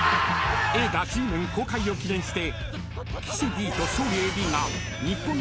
［映画『Ｇメン』公開を記念して］